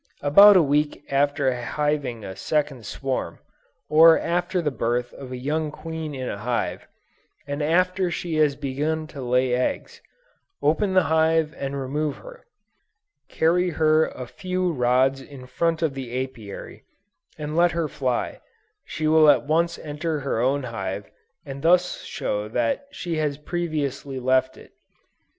About a week after hiving a second swarm, or after the birth of a young queen in a hive, and after she has begun to lay eggs, open the hive and remove her: carry her a few rods in front of the Apiary, and let her fly; she will at once enter her own hive and thus show that she has previously left it.